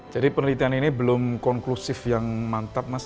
jadi penelitian ini belum konklusif yang mantap mas